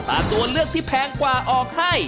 แต่ตัวเลือกที่แพงกว่าออกให้